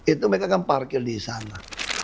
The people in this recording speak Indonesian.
itu mereka kan parkir di sana